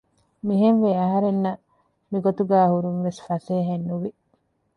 މިހެންވެ އަހަރެންނަށް މިގޮތުގައި ހުރުން ވެސް ފަސޭހައެއް ނުވި